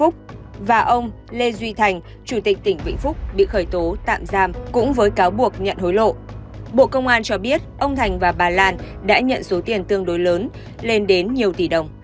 bộ công an cho biết ông thành và bà lan đã nhận số tiền tương đối lớn lên đến nhiều tỷ đồng